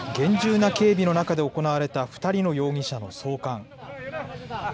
厳重な警備の中で行われた２人の容疑者の送還。